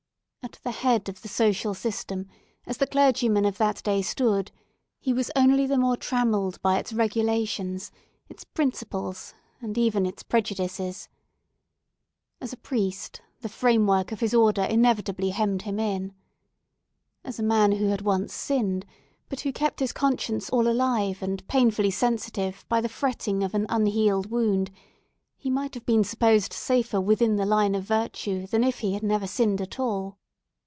At the head of the social system, as the clergymen of that day stood, he was only the more trammelled by its regulations, its principles, and even its prejudices. As a priest, the framework of his order inevitably hemmed him in. As a man who had once sinned, but who kept his conscience all alive and painfully sensitive by the fretting of an unhealed wound, he might have been supposed safer within the line of virtue than if he had never sinned at all.